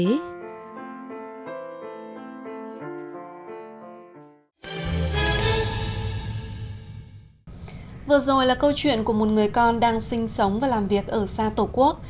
vừa rồi là câu chuyện của một người con đang sinh sống và làm việc ở xa tổ quốc